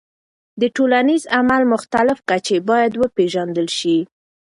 د ټولنیز عمل مختلف کچې باید وپیژندل سي.